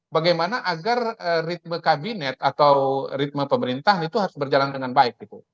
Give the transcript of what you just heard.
bagaimana agar ritme kabinet atau ritme pemerintahan itu harus berjalan dengan baik